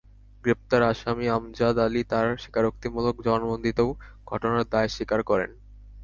গ্রেপ্তার আসামি আমজাদ আলী তাঁর স্বীকারোক্তিমূলক জবানবন্দিতেও ঘটনার দায় স্বীকার করেন।